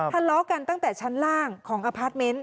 ทะเลาะกันตั้งแต่ชั้นล่างของอพาร์ทเมนต์